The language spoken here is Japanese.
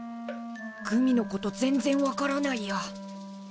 グミのこと全然分からないや。